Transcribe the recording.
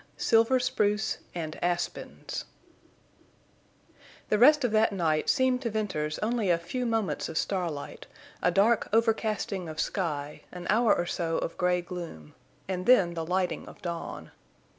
SILVER SPRUCE AND ASPENS The rest of that night seemed to Venters only a few moments of starlight, a dark overcasting of sky, an hour or so of gray gloom, and then the lighting of dawn.